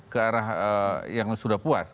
ke arah yang sudah puas